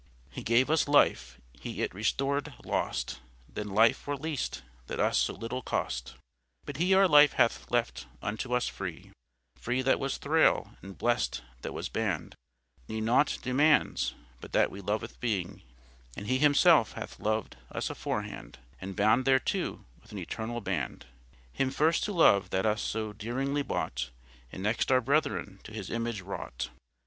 He gave us life, He it restored lost; Then life were least, that us so little cost. But He our life hath left unto us free, Free that was thrall, and blessed that was bann'd; Ne ought demaunds but that we loving bee, As He himselfe hath lov'd us afore hand, And bound therto with an eternall band, Him first to love that us so dearely bought, And next our brethren, to His image wrought.